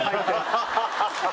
ハハハハ！